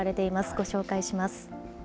ご紹介します。